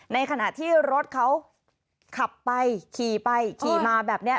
ในขณะที่รถเขาขับไปขี่ไปขี่มาแบบนี้